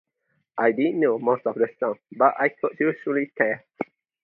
I didn’t know most of the songs but I could usually tell.